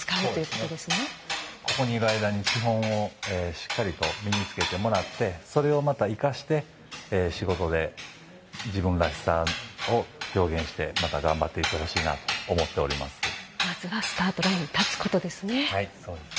ここにいる間に基本をしっかりと身につけてもらってそれをまた生かして仕事で自分らしさを表現してまた頑張っていってほしいと思っております。